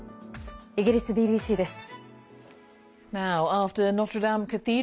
イギリスＢＢＣです。